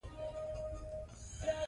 ازادي په آسانۍ نه ترلاسه کېږي.